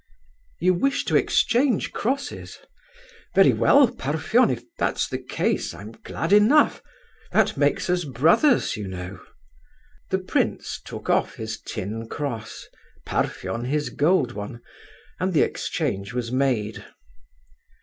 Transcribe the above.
"You wish to exchange crosses? Very well, Parfen, if that's the case, I'm glad enough—that makes us brothers, you know." The prince took off his tin cross, Parfen his gold one, and the exchange was made.